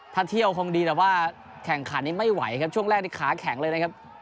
ถ้าเที่ยวคงดีแต่ว่าแข่งขันนี้ไม่ไหวครับช่วงแรกที่ขาแข็งเลยนะครับ